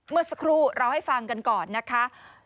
เมื่อสักครู่เราให้ฟังกันก่อนนะคะ